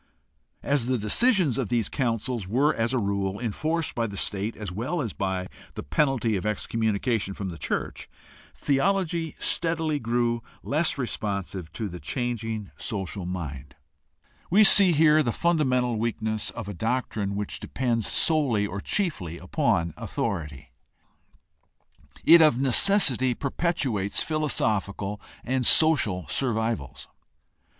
As the decisions of these councils were as a rule enforced by the state as well as by the penalty of excommunication from the church, theology steadily grew less responsive to the changing social mind. THE HISTORICAL STUDY OF RELIGION 75 We see here the fundamental weakness of a doctrine which depends solely or chiefly upon authority. It of necessity perpetuates philosophical and social survivals.